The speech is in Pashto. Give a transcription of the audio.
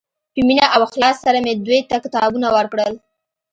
په مینه او اخلاص سره مې دوی ته کتابونه ورکړل.